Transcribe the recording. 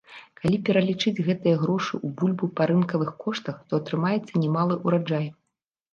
Калі пералічыць гэтыя грошы ў бульбу па рынкавых коштах, то атрымаецца немалы ўраджай.